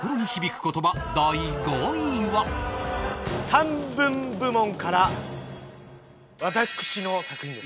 短文部門から私の作品です。